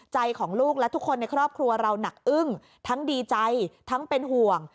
ใจของลูกและทุกคนในครอบครัวเราหนักอึ้งทั้งดีใจทั้งเป็นห่วง